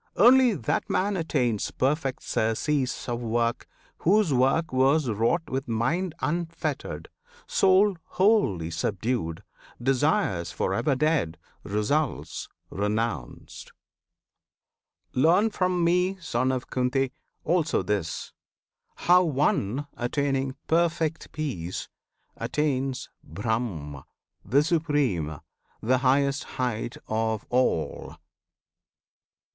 Only that man attains Perfect surcease of work whose work was wrought With mind unfettered, soul wholly subdued, Desires for ever dead, results renounced. Learn from me, Son of Kunti! also this, How one, attaining perfect peace, attains BRAHM, the supreme, the highest height of all!